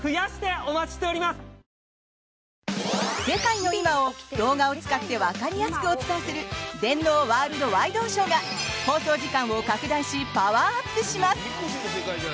世界の今を動画を使って分かりやすくお伝えする「電脳ワールドワイ動ショー」が放送時間を拡大しパワーアップします！